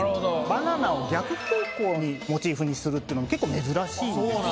バナナを逆方向にモチーフにするっていうのも結構珍しいんですね。